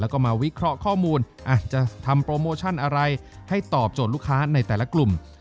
แล้วก็มาวิเคราะห์ข้อมูลอาจจะทำโปรโมชั่นอะไรให้ตอบโจทย์ลูกค้าในแต่ละกลุ่ม